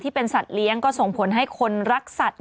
เป็นสัตว์เลี้ยงก็ส่งผลให้คนรักสัตว์